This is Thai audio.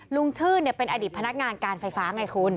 ลุงชื่นเป็นอดีตพนักงานการไฟฟ้าไงคุณ